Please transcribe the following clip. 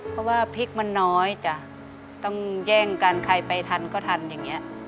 เพราะว่าพริกมันน้อยจ้ะต้องแย่งกันใครไปทันก็ทันอย่างนี้